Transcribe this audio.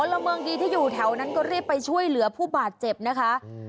ละเมืองดีที่อยู่แถวนั้นก็รีบไปช่วยเหลือผู้บาดเจ็บนะคะ